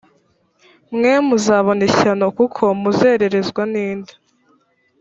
mwe muzabona ishyano kuko muzererezwa ninda